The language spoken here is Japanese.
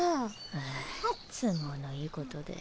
ハァ都合のいいことで。